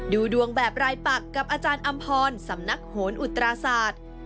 ดูดวงแบบรายปักกับอาจารย์อำพรสำนักโหนอุตราศาสตร์